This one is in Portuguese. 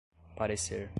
parecer